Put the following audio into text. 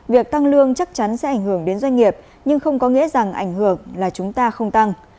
việc tăng lương chắc chắn sẽ ảnh hưởng đến doanh nghiệp nhưng không có nghĩa rằng ảnh hưởng là chúng ta không tăng